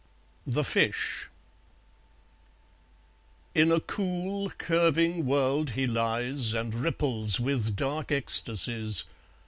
The Fish In a cool curving world he lies And ripples with dark ecstasies.